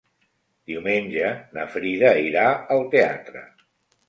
Diumenge na Frida irà al teatre.